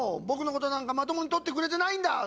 ぼくのことなんかまともにとってくれてないんだ。